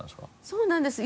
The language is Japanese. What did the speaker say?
そうなんです